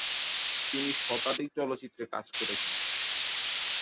তিনি শতাধিক চলচ্চিত্রে কাজ করেছেন।